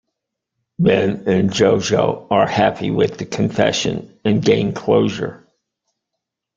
Ben and Jojo are happy with the confession and gain closure.